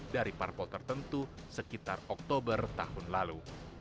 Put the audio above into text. dari parpol tertentu sekitar oktober tahun lalu